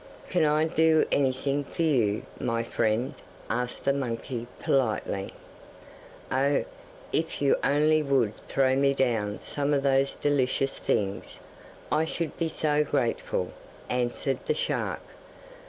'Can I do anything for you, my friend?' asked the monkey politely. 'Oh! if you only would thrown me down some of those delicious things, I should be so grateful,' answered the shark.